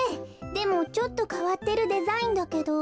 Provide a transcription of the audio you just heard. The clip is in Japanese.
でもちょっとかわってるデザインだけど。